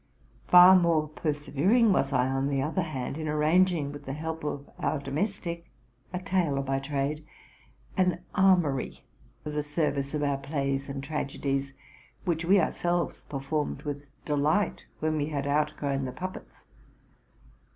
Far more persevering was I, on the other hand, in arranging, with the help of our domestic (a tailor by trade), an armory for the service of our plays and tragedies, which we ourselves 492 TRUTH AND FICTION performed with delight when we had outgrown the puppets.